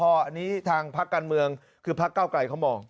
อันนี้ทางพักการเมืองคือพักเก้าไกลเขามอง